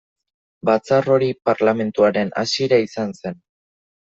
Batzar hori parlamentuaren hasiera izan zen.